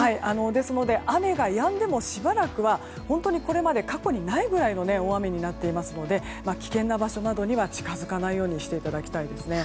ですので、雨がやんでもしばらくは本当にこれまで過去にないぐらいの大雨になっていますので危険な場所などには近づかないようにしていただきたいですね。